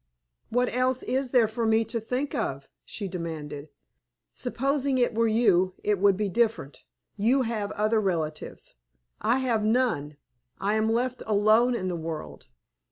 "What else is there for me to think of?" she demanded. "Supposing it were you, it would be different. You have other relatives. I have none. I am left alone in the world.